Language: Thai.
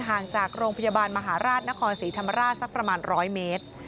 ห่างจากโรงพยาบาลมหาราชนครศรีธรรมราชสักประมาณ๑๐๐เมตร